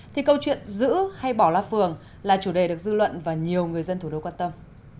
thì câu chuyện giữ hay bỏ la phường là chủ đề được dư luận và nhiều người dân thủ đô quan tâm